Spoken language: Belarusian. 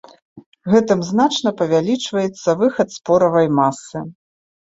Гэтым значна павялічваецца выхад споравай масы.